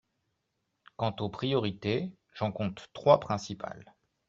Quant aux priorités, j’en compte trois principales.